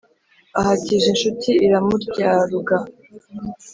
ahatije inshuti iramuryaruga